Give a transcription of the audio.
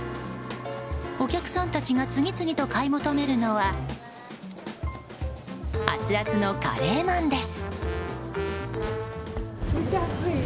お客さんたちが次々と買い求めるのは熱々のカレーまんです。